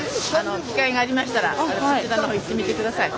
機会がありましたらそちらの方行ってみて下さい。